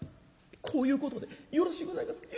こういうことでよろしいございますか。